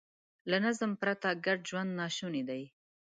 له نظم پرته ګډ ژوند ناشونی دی.